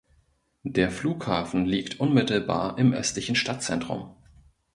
Der Flughafen liegt unmittelbar im östlichen Stadtzentrum.